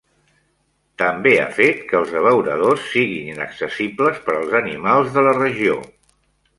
També ha fet que els abeuradors siguin inaccessibles per als animals de la regió.